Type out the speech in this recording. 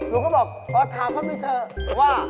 ลูกก็บอกถามเขาไปเถอะว่า